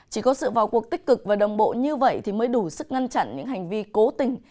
chỉ có sự vào cuộc tích cực và đồng bộ như vậy thì mới đủ sức ngăn chặn những hành vi cố tình